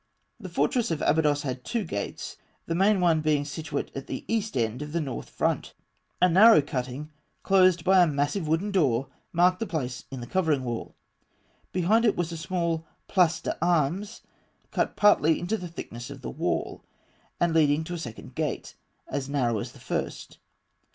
The fortress of Abydos had two gates, the main one being situate at the east end of the north front (fig. 29). A narrow cutting (A), closed by a massive wooden door, marked the place in the covering wall. Behind it was a small place d'armes (B), cut partly in the thickness of the wall, and leading to a second gate (C) as narrow as the first.